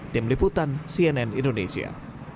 tim liputan cnn indonesia